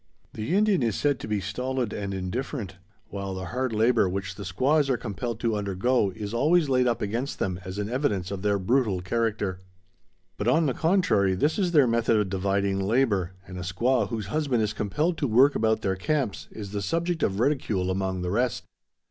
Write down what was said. The Indian is said to be stolid and indifferent, while the hard labor which the squaws are compelled to undergo is always laid up against them as an evidence of their brutal character. But on the contrary this is their method of dividing labor, and a squaw whose husband is compelled to work about their camps is the subject of ridicule among the rest.